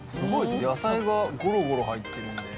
野菜がゴロゴロ入っているので。